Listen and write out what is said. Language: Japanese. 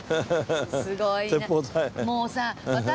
すごいな。